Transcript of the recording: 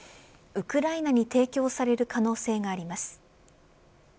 ウクライナに提供される可能性があります。